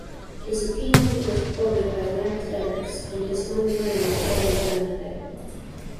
His opinion was quoted by learned clerics, and his own learning was highly commended.